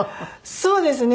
そうですね。